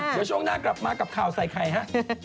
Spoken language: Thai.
เดี๋ยวช่วงหน้ากลับมากับข่าวใส่ไข่ฮะ